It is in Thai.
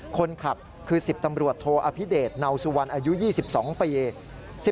คนขับคือ๑๐ตำรวจโทอภิเดชเนาสุวรรณอายุ๒๒ปี